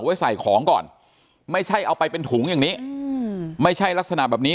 ไว้ใส่ของก่อนไม่ใช่เอาไปเป็นถุงอย่างนี้ไม่ใช่ลักษณะแบบนี้